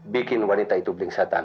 bikin wanita itu blingsetan